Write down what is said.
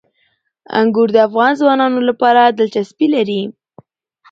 انګور د افغان ځوانانو لپاره دلچسپي لري.